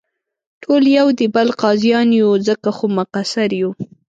ټول یو دې بل قاضیان یو، ځکه خو مقصر یو.